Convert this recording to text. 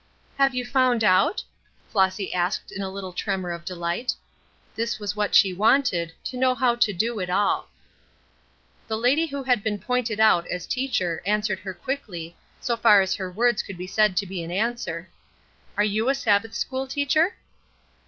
"Have you found out?" Flossy asked in a little tremor of delight. This was what she wanted, to know how to do it all. The lady who had been pointed out as teacher answered her quickly, so far as her words could be said to be an answer: "Are you a Sabbath school teacher?"